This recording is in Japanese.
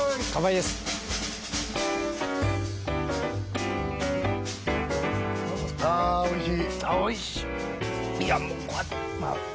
いやあおいしい！